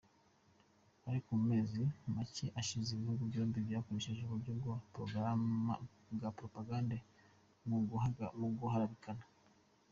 Ariko mu mezi macye ashize, ibihugu byombi byakoresheje uburyo bwa poropagande mu guharabikana.